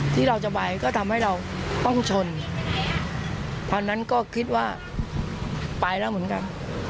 ที่เราจะไปก็ทำให้เราต้องชนตอนนั้นก็คิดว่าไปแล้วเหมือนกัน